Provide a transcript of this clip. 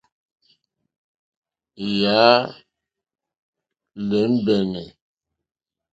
Yà á !lɛ́mbɛ́nɛ́.